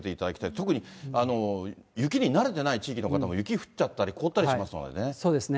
特に雪に慣れてない地域の方も雪降っちゃったり、凍ったりしますそうですね。